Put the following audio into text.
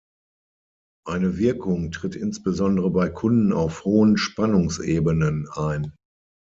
Eine Wirkung tritt insbesondere bei Kunden auf hohen Spannungsebenen ein.